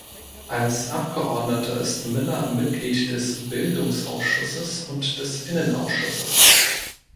Als Abgeordneter ist Miller Mitglied des Bildungsausschusses und des Innenausschusses.